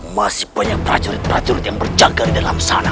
masih banyak prajurit prajurit yang berjaga di dalam sana